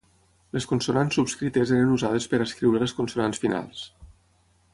Les consonants subscrites eren usades per escriure les consonants finals.